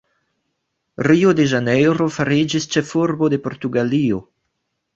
Rio-de-Ĵanejro fariĝis ĉefurbo de Portugalio.